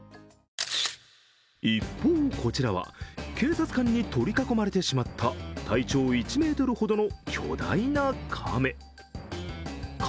一方、こちらは警察官に取り囲まれてしまった体長１ｍほどの巨大な亀。